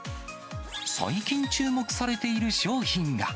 最近注目されている商品が。